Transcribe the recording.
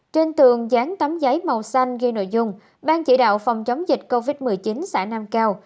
trên tường dán tấm giấy màu xanh ghi nội dung ban chỉ đạo phòng chống dịch covid một mươi chín xã nam cao